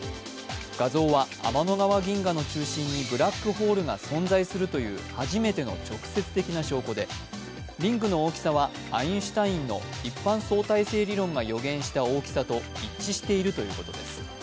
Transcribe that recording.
画像は天の川銀河の中心にブラックホールが存在するという初めての直接的な証拠でリングの大きさはアインシュタインの一般相対性理論が予言した大きさと一致しているということです。